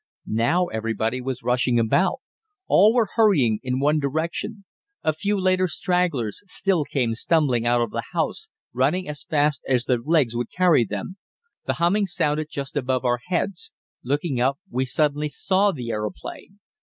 Now everybody was rushing about; all were hurrying in one direction; a few later stragglers still came stumbling out of the house, running as fast as their legs would carry them. The humming sounded just above our heads. Looking up, we suddenly saw the aeroplane.